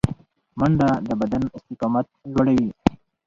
منډه د بدن استقامت لوړوي